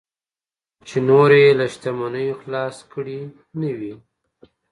چې نور یې له شتمنیو خلاص کړي نه وي.